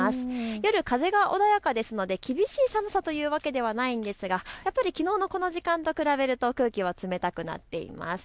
夜、風が穏やかですので厳しい寒さというわけではないんですがやっぱりきのうのこの時間と比べると空気は冷たくなっています。